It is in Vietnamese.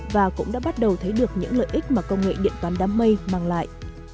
và cũng đã bắt đầu thấy được những lợi ích mà công nghệ điện toán đám mây mang lại